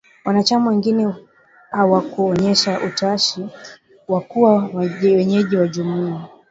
Wanachama wengine hawakuonyesha utashi wa kuwa wenyeji wa Jumuiya.